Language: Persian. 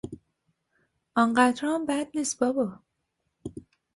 آنقدرها هم بد نیست بابا!